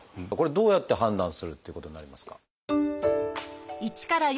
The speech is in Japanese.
これどうやって判断するっていうことになりますか？